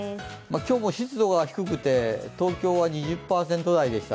今日も湿度が低くて東京は２０％台でした。